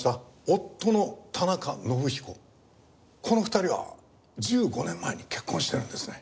この２人は１５年前に結婚してるんですね。